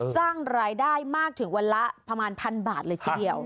สร้างรายได้มากถึงวันละประมาณพันบาทเลยทีเดียว